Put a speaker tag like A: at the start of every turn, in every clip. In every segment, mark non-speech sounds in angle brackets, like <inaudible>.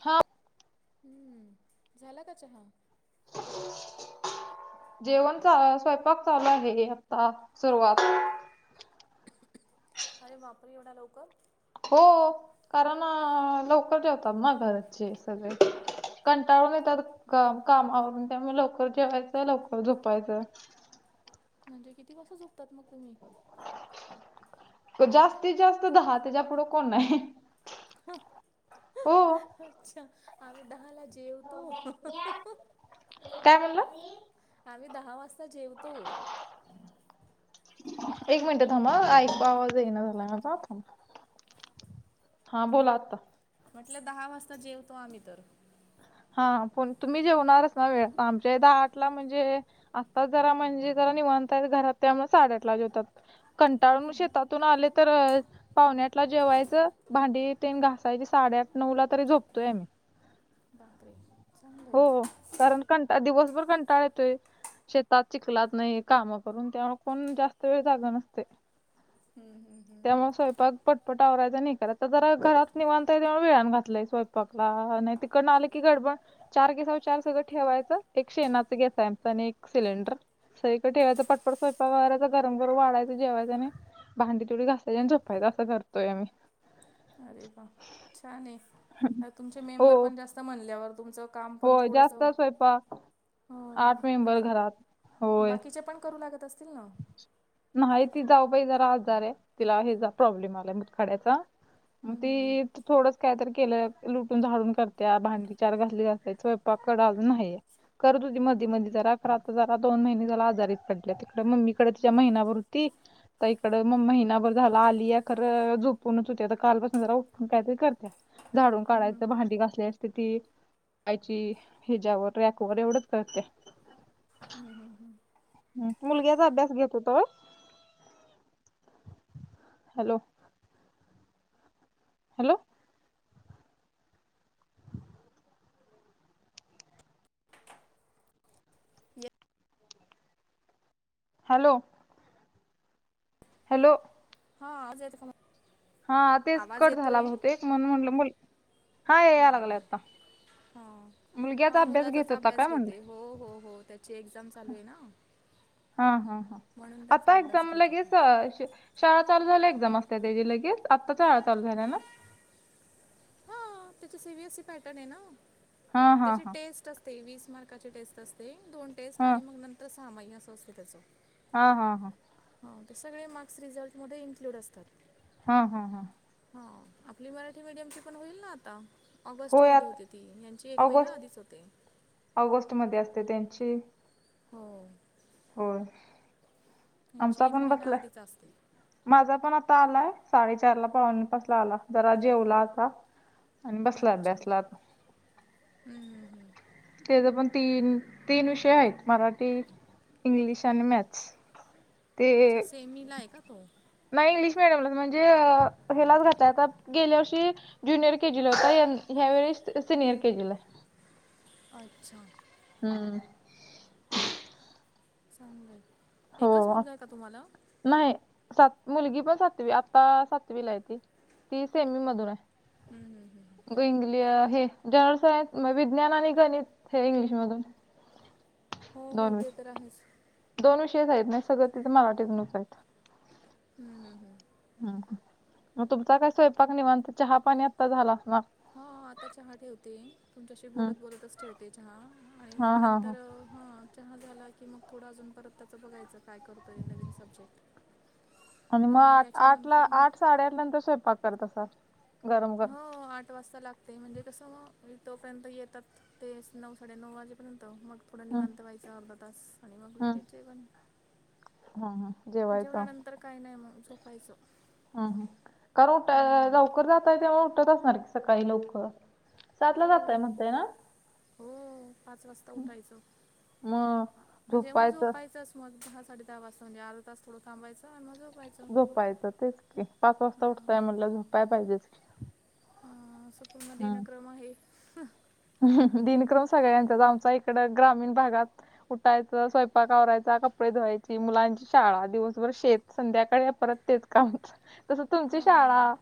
A: हा..
B: हम्म.. झाला का चहा. <inaudible>
A: जेवण चा, स्वयंपाक चालू आहे, आता सुरुवात.
B: अरे बापरे, एवढ्या लवकर.
A: हो, कारण लवकर जेवतात ना घरचे सगळे. कंटाळून येतात. कामावर त्यामुळे, लवकर जेवायचं लवकर झोपायचं.
B: म्हणजे किती वाजता झोपतात मग तुम्ही.
A: जास्तीत जास्त दहा, त्याच्या पुुढं कोण नाही. हो
B: अच्छा, आम्ही दहाला जेवतो.
A: काय म्हणलात?
B: आम्ही दहा वाजता जेवतो.
A: एक मिनिटं थांब एकु आवाज येईना, झाला माझा थांब. हा, बोला आता.
B: म्हटलं दहा वाजता जेवतो. आम्ही तर,
A: हा हां. पण तुम्ही जेवणारच वेळेवर, आमच्या हित इथं आठ. आठ ला म्हणजे, आता जरा म्हणजे जरा निवांताय घरात त्यामुळे साडेआठला जेवतात. कंटाळून म शेतातून आले तर. पावणे आठला जेवायचं, भांडी तेन घासायची साडेआठ नऊला तरी झोपतोय आम्ही.
B: बापरे, चांगलंय.
A: हो कारण कंटा दिवसभर कंटाळा येतोय. शेतात चिखलात नाही, काम करून त्यामुळे कोण जास्त वेळ जाग नसतय.
B: हम्म हम्म
A: त्यामुळं
B: हम्म.
A: स्वयंपाक. पटपट आवरायचं नाही हे करायचं तर जरा घरात निवांत हाय, वेळान घातलंय स्वयंपाकला आणि तिकडन आले की गडबड. चार गॅसावर चार सगळं ठेवायचं, एक शेणाचा गॅस आहे आमच आणि एक सिलेंडर. सगळीकडं ठेवायचं पटपट स्वयंपाक आवरायचं, गरम गरम वाडायचं जेवायचं आणि. भांडी तेवडी घासायची आणि, झोपायच असं करतोय आम्ही.
B: अरे वा! छान आहे, तुमचे
A: हो
B: मेंबर पण जास्तं म्हणल्यावर तुमचं. काम पण
A: होय
B: तेवढंच.
A: जास्त स्वयंपाक
B: हो
A: आठ मेंबर घरात होय
B: बाकीचे पण करू लागत असतील ना?
A: नाही, ती जाऊबाई जरा आजार आहे, तिला ह्याचा प्रॉब्लेम आलाय मूतखड्याचा मग
B: हम्म हम्म हम्म.
A: ते. थोडंच कायतरी केलं, लुटून झाडून करत्या, भांडी चार घासली घासायचं, स्वयंपाककड अजून नाही करत होती मधी - मधी जरा, खरं आता जरा दोन महिने झालं आजारीच पडल्या ती. तीकडं मम्मीकडं, तिच्या महिनाभर होती त इकडं म महिनाभर झाला आलीया खरं, झोपूनच होते, आता कालपासून जरा उठून कायतरी करत्या. झाडून
B: हम्म
A: काढायचं,
B: हम्म
A: भांडी घासलेस तर ती आयची, हेज्यावर रॅकवर एवढच करते
B: अंहं, हं, हम्म
A: मुलग्याचा अभ्यास घेत होता होय, हॅलो हॅलो
B: ये
A: हॅलो. हॅलो.
B: हा. आवाज येतोय का मग?
A: हा तेच कट झाला बहुतेक, म्हणून म्हटलं मुल हा याय लागलाय आता.
B: हा,
A: मुलग्याचा
B: हा,
A: अभ्यास
B: मुलाचाच
A: घेत होता काय
B: अभ्यास
A: म्हणलं?
B: घेते. हो, हो, हो त्याची एक्झाम चालू आहे ना.
A: हा, हा, हा,
B: म्हणून त्याचा
A: आता
B: अभ्यास
A: एक्झाम
B: घेत
A: लगेच
B: होते
A: शाळा चालू झाल्या एकदम असत्या तेजी लगेच, आत्ता शाळा चालू झाल्या ना?
B: हा त्याची सीबीएससी पॅटर्न आहे ना,
A: हा हा
B: त्याची
A: हा.
B: टेस्ट असते. तेवीस मार्काची टेस्ट असते. दोन टेस्ट
A: हा
B: आणि मग नंतर सहामाय असं असतंय त्याचं.
A: हां हां हां.
B: हो ते सगळे मार्क्स रिझल्टध्ये इन्क्ल्यूड असतात.
A: हां हा हा.
B: हा आपली मराठी मीडियमची पण होईल ना आता.
A: होय
B: ऑगस्टमध्ये
A: आत-
B: होते ती, यांची एक महिना
A: ऑगस्ट
B: आधीच होते.
A: ऑगस्ट मध्ये असते त्यांची.
B: हो.
A: होय,
B: यांची
A: आमचा
B: एक
A: पण
B: महिना
A: बसलाय.
B: आधीच असते
A: माझा पण आता आलाय, साडेचारला पावनेपाच आला. जरा जेवला आता. आणि बसला
B: अच्छा
A: अभ्यासला आता.
B: अं हं हं.
A: तेजंपण तीन तीन विषय हायत. मराठी इंग्लिश आणि मॅथ्स ते
B: अच्छा सेमीला आहे का तो
A: नाही इंग्लिश मिडीयमलाच म्हणजे ह्यालाच घातलाय. आता गेल्या वर्षी जूनियर केजीला होता, हं ह्या वेळी सिनियर केजीला आहे.
B: अच्छा.
A: हम्म.
B: चांगलय
A: हो
B: एकच
A: आ-
B: मुलगा आहे का तुम्हाला
A: नाही सात मुलगी पण सातवी आता सातवीला आहे ती सेमीमधून हाय
B: हम्म, हम्म, हम्म.
A: <unintelligible> हे गाईड्स आहेत, मग विज्ञान आणि गणित हे इंग्लिशमधून.
B: हो हो, ते तर आहेच.
A: दोन विषयच आहेत नाही सगळं तीच मराठीतूनच आहेत.
B: हम्म हम्म.
A: हम्म हम्म, मग तुमचा काय स्वयंपाक निवांत, चहा पाणी आत्ता झाला असणार.
B: हा आता चहा ठेवते. तुमच्याशी
A: हम्म.
B: बोलत बोलतच ठेवते चहा आणि
A: हा
B: मग
A: हा हा
B: नंतर हा चहा झाला की, मग थोडा अजून परत त्याचं बघायचं काय करतोय नवीन सब्जेक्ट.
A: आणि मग आठ, आठला
B: त्याच्यानंतर मग
A: आठ-साडेआठ नंतर स्वयंपाक करत असाल? गरम गरम.
B: हो आठ वाजता लागते, म्हणजे कसं मग तोपर्यंत येतात ते नऊ साडे नऊ वाजे तोपर्यंत, मग थोडं
A: हम्म
B: निवांत व्हायचं अर्धा तास आणि मग लगेच जेवण.
A: हा हा..
B: जेवणानंतर काही नाही म झोपाायचं
A: हम् हम कारण उठा लवकर जातंय तेव्हा उठतं असणार की सकाळी लवकर.
B: हो
A: सातला जाताय म्हणताय ना
B: हो पाच वाजता. उठायचं मग जेवून झोपायचं. मग दहा साडे दहा वाजता म्हणजे अर्धा तास थोडं थांबायचं. आणि मग झो
A: झोपायचं तेच की पाच वाजता उठताय
B: हां
A: म्हटल्यावर झोपाय पाहिजेच की.
B: आं असा पूर्ण दिनक्रम आहे.
A: हं हं दिनक्रम सगळ्यांचाच आमचा इकडं ग्रामीण भागात. उटायचं स्वयंपाक आवरायचा. कपडे धुवायची मुलांची शाळा दिवसभर शेत. संध्याकाळी परत तेेच काम. तसं तुमची
B: हां
A: शाळा,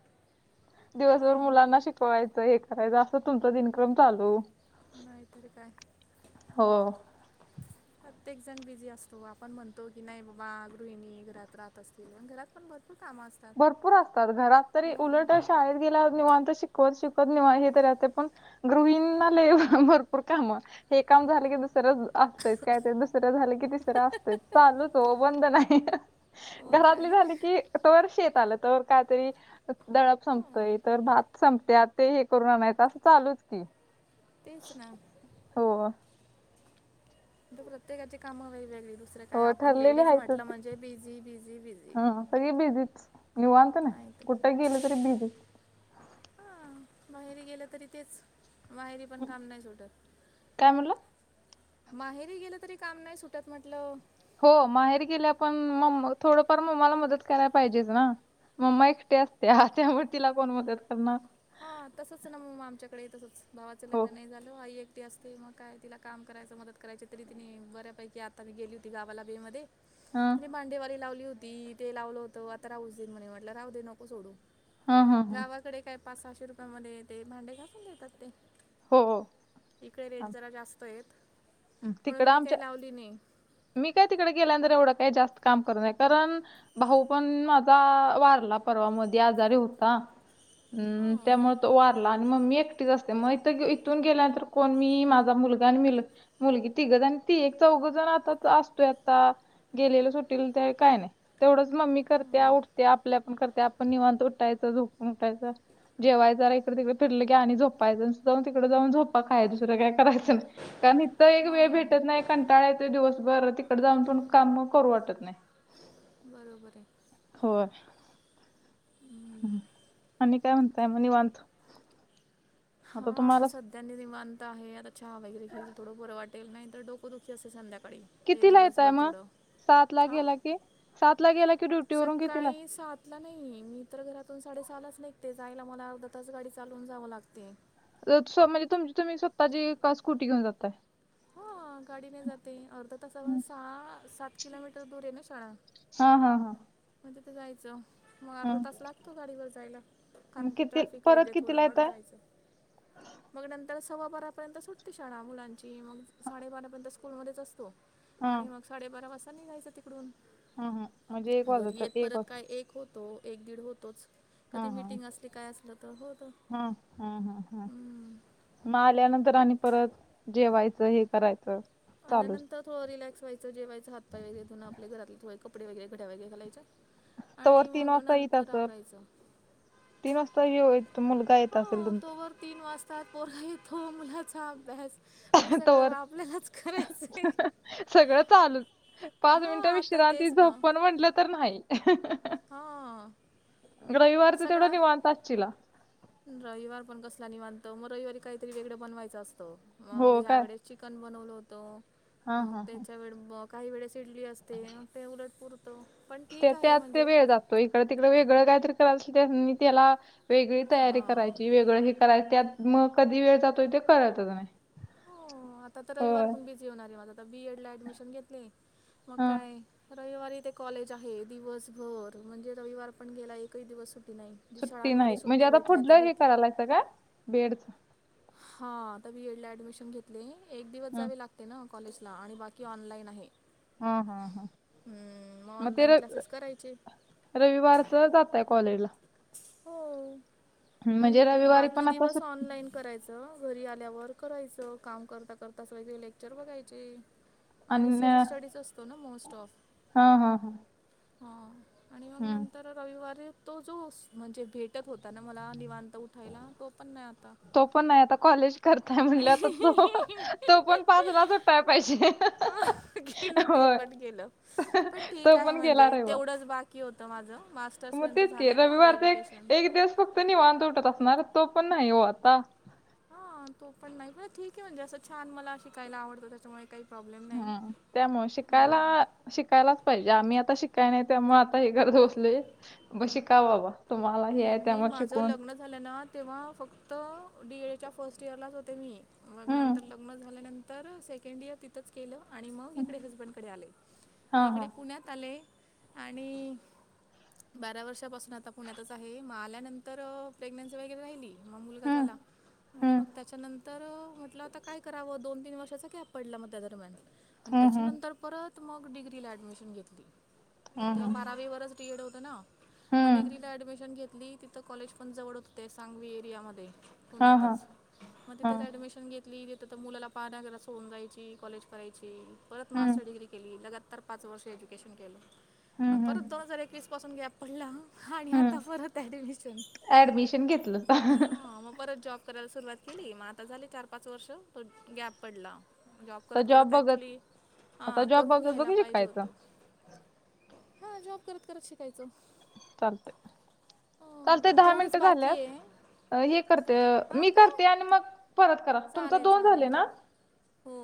A: दिवसभर
B: हां
A: मुलांना शिकवायचं एक. असं तुमचा दिनक्रम चालू.
B: नायतरी काय.
A: हो
B: प्रत्येक जण बिझी असतो. आपण म्हणतो की नाही बाबा गृहिणी घरात राहत असतील घरात पण भर काम असतात.
A: भरपूर असतात घरात तरी
B: मग
A: उलट शाळेत गेल्यावर निवांत शिकवत शिकवत निव हे तरी राहते पण गृहिणींना लय भरपूर कामं. हे काम झालं की दुसरं असतोय काय ते दुसरं झालं की तिसरं असतोय चालूच हो बंद नाही.
B: मग काय
A: घरातली झाली की तोवर शेताला तो वर काय तरी. दडप
B: हां
A: संपतय तर भात संपते आ ते हे करून आणायचं असं चालूच की.
B: तेच ना
A: हो
B: तो प्रत्येकाची कामं वेगवेेगळी. दुसरं काय
A: हो
B: आपण
A: ठरलेले
B: लेडीज
A: आहेतच
B: म्हटलं
A: ते
B: म्हणजे बिझी बिझी बिझी.
A: हा सगळी बिझीच निवांत ना
B: नाही तर काय
A: कुठं गेली तरी बिजी.
B: हां माहेरी गेलं तरी तेच, माहेरी पण काम नाय सुटत.
A: काय म्हणला
B: माहेरी गेलं तरी काम नाही सुटत म्हटलं.
A: हो माहेरी गेल्यावर पण मम थोडंफार मम्माला मदत कराय पायजेच ना. मम्मा एकटी असत्या त्यामुळे तिला कोण मदत करणार.
B: हा तसंच ना मग आमच्याकडेही तसंच भावाचं
A: हो
B: लग्न नाही झालं. आई एकटी असते मग काय तिला काम करायचं. मदत करायची, तरी तिने बऱ्यापैकी आताही गेली. की <unintelligible>
A: हम्..
B: ते भांडेवाली लावली होती. ते लावलं होतं आता राहूचं देन म्हणे म्हटलं राऊ दे नको सोडू.
A: हं हं हं
B: गावाकडे काय पाच सहाशे रुपयामध्ये ते भांडे घासून देतात ते.
A: हो..
B: इकडे रेट
A: हां.
B: जरा जास्त येतं.
A: तिकडं आमच्या मी काय तिकड गेल्यांतर एवढं काय जास्त काम कर नाय कारण. भाऊ पन माझा वारला परवा मधी आजारी होता. हम्म
B: हां
A: त्यामुळं तो वारला आणि मम्मी एकटीच असत्या मग इथं इथून गेल्यानंतर कोण मी माझा मुलगा आणि मुलगी. मुलगी तिघजन ती एक चौघ जण आताच असतोय. आता गेलेलं सुटील ते काय नाही. तेवढंच मम्मी करत्या. उठत्या आपल्या पन करत्या आपण निवांत उठायच झोपून उठायचं. जेवायच जरा इकडे तिकडे फिरायलं की आणि झोपायचं, नुस्तं जाऊन तिकड जाऊन झोपा खायच्या दुसरं काय करायचं नाय. कारण इथं एक वेळ
B: हां
A: भेटत नाही कंटाळा येतो दिवसभर तिकडे जाऊन पण कामं करू वाटत नाही.
B: बरोबर ये.
A: होय. हम्म आणि काय म्हणताय म निवांत? आता
B: हा
A: तुम्हाला
B: तसं त्यांनी निवांत आहे. आता चहा वगैरे घेईल, थोडं बरं वाटेल. नाही तर डोक दुःखी असते संध्याकाळी. ते
A: कितीला येताय
B: दिवसभर
A: मग
B: थोडं,
A: सात ला
B: अ
A: गेला की सात ला गेला की ड्युटीवरून कितीला
B: सकाळी सात ला नाही. मी तर घरातून साडेसहालाच निघते. जायला मला अर्धा तास गाडी चालवून जावं लागते.
A: लत स म्हणजे तुम तुम्ही स्वतःची का स्कुटी घेऊन जातय?
B: हो गाडीने जाते. अर्धा तासावर साळा सहा सात किलोमीटर दूर ये ना शाळा.
A: हा हा हा..
B: मग तिथं जायचं. मग
A: हा
B: अर्धा तास लागतो गाडीवर जायला,
A: मग
B: कारण की
A: किती
B: ट्रॅफिक
A: परत
B: वगैरे थोडं
A: कितीला
B: हडू
A: येतय
B: जायचं. <inaudible> मग नंतर सव्वा बारापर्यंत सुटते शाळा मुलांची. मग साडेबारापर्यंत स्कूलमध्येच असतो.
A: हा
B: आणि मग साडेबारा वाजता निघायचं तिकडून.
A: हा हा म्हणजे एक
B: घरी
A: वाजत
B: येत
A: एक
B: परत
A: वाज
B: काय एक होत तो एक दीड होतोच, कधी मिटिंग असली काय असलं तर होतो.
A: हम्म हम्म हम्म हम्म. मग आल्यानंतर आणि परत जेवायचं हे करायचं. चालूच
B: आल्यांतर थोडं रिलॅक्स व्हायचं. जेवायचं हातपाय वगैरे धून आपल्या घरातले थोडे कपडे वगैरे घड्या वगैरे घालायच्या.
A: तवर
B: आणि
A: तीन
B: मग
A: वाजता येत
B: नंतर
A: असल
B: आवरायचं.
A: तीन वाजता येऊ तो मुलगा येत असेल
B: हो
A: तुमचा
B: तोवर तीन वाजतात. पोर येतो मुलाचा अभ्यास म्हणजे सगळं
A: तवर
B: वापल्यालाच करायचं आहे.
A: सगळं चालूच पाच
B: हां
A: मिनिटं
B: आता
A: विश्रांती
B: तेच ना
A: झोपण म्हटलं तर नाही.
B: हा
A: रविवारच तेवढा
B: सगळा
A: निवांत असशीला?
B: रविवार पण कसला नाही निवांत, मग रविवारी काहीतरी वेगळं बनवायचं असतं. मग
A: हो
B: ह्या
A: काय
B: वेळेस चिकन बनवलं होतं,
A: हा
B: मग
A: हा हा.
B: त्याच्या वेळ ब काही वेळेस इडली असते‌. मग ते उलट पूर तो
A: तर त्यात ते वेळ जातो. तो इकडं तिकडे वेगळं कायतरी कराय <unintelligible> मी त्याला वेगळी तयारी
B: हां
A: करायची वेगळं हे करायचं त्यात मग कधी वेळ जातोय ते कळतच नाही.
B: हो आता तर रविवार
A: होय
B: पण बिझी होणार आहे माझं. आता बीएडला ऍडमिशन घेतलंय, मग
A: हा.
B: काय रविवारी इथे कॉलेज आहे दिवसभर म्हणजे रविवार पण गेला, एकही दिवस सुट्टी नाही. जी
A: सुट्टी
B: शाळांमध्ये
A: नाही. म्हणजे
B: सुट्ट्या
A: आता
B: भेटल्या त्या
A: पुुढलं हे
B: भेटल्या
A: करायलासा काय बीएडच?
B: हा आता बीएडला ऍडमिशन घेतलंय. एक दिवस
A: हम्म
B: जावे लाग ते ना कॉलेजला आणि बाकी ऑनलाईन आहे.
A: हा हा हा.
B: हम्म मग
A: ते
B: ऑनलाइन
A: र
B: क्लासेस करायचे.
A: रविवारचं जाताय कॉलेजला.
B: हो
A: म्हणजे
B: आणि
A: रविवारी
B: बाकी
A: पण आता
B: दिवस
A: सुट
B: ऑनलाईन. करायचं घरी आल्यावर करायचं, काम करता करता सगळे लेक्चर बघायचे. आणि सेल्फ स्टडीच असतो ना मोस्ट ऑफ.
A: हा हा हा
B: हा आणि मग
A: हम्म.
B: नंतर रविवारी तो जो म्हणजे भेटत होता ना मला निवांत त उठायला, तो पण नाही आता.
A: तो पण नाही आता कॉलेज करताय म्हणल्यावर, आता तो
B: नाही
A: तो पण पाचलाच उठाय पाहिजे.
B: गेलं ते
A: होय.
B: पण गेलं. पण ठीक
A: तो
B: आहे
A: पण गेला
B: म्हणजे
A: रविवार.
B: तेवढंच बाकी होतं माझं मास्टर्सपर्यंत झाल
A: ते रविवारचं एक एक दिवस फक्त निवांत उठत असणार, तो पण नाही हो आता.
B: हा तो पण नाही मला ठीक आहे म्हणजे असं छान मला शिकायला आवडतं. त्याच्यामुळे काही प्रॉब्लेम नाही
A: हम्म. त्यामुळे शिकायला
B: हम्म.
A: शिकायलाच पाहिजे. आम्ही आता शिक काय नाही त्यामुळे आता हे घरात बसले. ब शिका बाबा तुम्हाला हे आहे त्यामुळं शिकून
B: झाले ना तेव्हा फक्त डीएडच्या फर्स्ट इयरलाच होते मी. मग
A: हं.
B: नंतर लग्न झाल्यानंतर सेकंड इयर तिथंच केलं आणि मग इकडे हजबंडकडे आले, मग
A: हां,
B: इकडे
A: हां.
B: पुण्यात आले आणि बारा वर्षापासून आता पुण्यातच आहे, मग आल्यानंतर प्रेग्नेन्सी वगैरे राहिली. मग मुलगा
A: हं,
B: झाला आणि
A: हं.
B: मग त्याच्यानंत तर म्हटलं होता काय करावं दोन तीन वर्षाचा गॅप पडला मग त्या दरम्यान आणि
A: हं, हं.
B: त्याच्यानंतर परत मग डिग्रीला ॲडमिशन घेतली.
A: हं,
B: तेव्हा
A: हं.
B: बारावीवरच डी एड होतं ना. म
A: हं.
B: डिग्रीला ॲडमिशन घेतली तिथं कॉलेज पण जवळ होते सांगवी एरियामध्ये.
A: हां, हां.
B: पुण्यातच मग तिथेच
A: हं.
B: ऍडमिशन घेतली तर तर मुलाला पाहण्या घरा सोडून जायची कॉलेज करायची परत
A: हं.
B: मास्टर डिग्री केली लगात तर पाच वर्ष एज्युकेशन
A: हं,
B: केलं
A: हं.
B: परत दोन हजार एकवीस पासून गॅप पडला आणि आता
A: हं.
B: परत ॲडमिशन.
A: ऍडमिशन घेतलंस.
B: हा म परत जॉब करायला सुरुवात केली म आता झाली चार पाच वर्ष गॅप पडला जॉब
A: आता
B: करत करत
A: बघत
B: ॲक्च्युली
A: आता
B: हां
A: जॉब
B: करून
A: बघत बघ
B: घ्यायला पाहिजे
A: शिकायचं.
B: होतं. हां जॉब करत करत शिकायच.
A: चालतय चालते दहा
B: तेवढंच
A: मिनट
B: बाकी
A: झाल्यात.
B: आहे
A: अ हे करते अ
B: हा
A: मी
B: का
A: करते आणि मग परत करा तुमचा
B: चालेल
A: दोन झाले
B: चालेल
A: ना.
B: हो.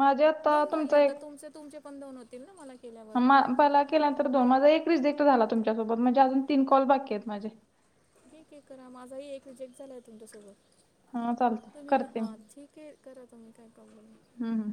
A: माझ्यात
B: दोन झाले आता तुमचे तुमचे पण दोन होतील ना मला केल्यावर
A: मा पहिल्या केल्यानंतर दोन माझा एक रिझेक्ट झाला तुमच्यासोबत म्हणजे अजून तीन कॉल बाकी आहेत माझे.
B: ठीक आहे करा माझाही एक रिजेक्ट झाला आहे तुमच्यासोबत
A: हां, चालतंय
B: तुम्ही
A: करते
B: हा
A: मी.
B: ठीक के करायचं मग काय प्रॉब्लेम. <unintelligible>
A: हम्म हम्म.